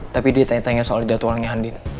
tapi dia tanya tanya soal jadwalnya andin